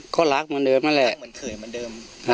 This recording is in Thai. ก็รักเหมือนเดิมนั่นแหละ